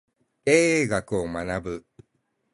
経営学を学ぶ